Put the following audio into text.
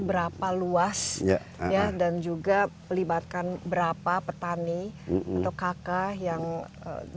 berapa luas ya dan juga melibatkan berapa petani untuk kakah yang di dalam dibawah naungan lmdh yang